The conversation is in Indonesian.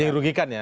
yang dirugikan ya